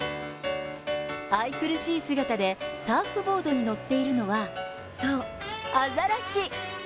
愛くるしい姿でサーフボードに乗っているのは、そう、アザラシ。